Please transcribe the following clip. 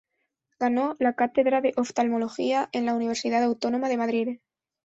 Ganó la cátedra de Oftalmología en la Universidad Autónoma de Madrid.